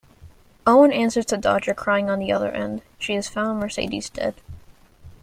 Owen answers to Dodger crying on the other end; she has found Mercedes dead.